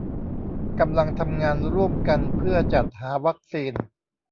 กำลังทำงานร่วมกันเพื่อจัดหาวัคซีน